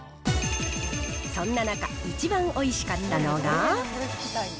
そんな中、一番おいしかったのが。